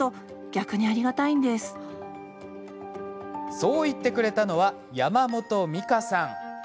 そう言ってくれたのは山本美香さん。